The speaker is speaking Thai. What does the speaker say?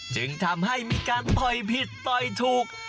จึงทำให้มีการต่อยผิดต่อยถูก